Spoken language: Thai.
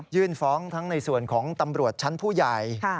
ฟ้องทั้งในส่วนของตำรวจชั้นผู้ใหญ่